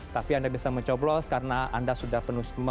tapi anda bisa mencoblos karena anda sudah penuh